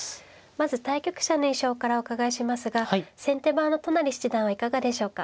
まず対局者の印象からお伺いしますが先手番の都成七段はいかがでしょうか。